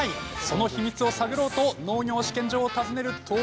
その秘密を探ろうと農業試験場を訪ねると。